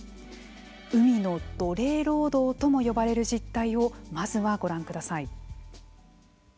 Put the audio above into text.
海の奴隷労働とも呼ばれる実態をまずは、ご覧ください。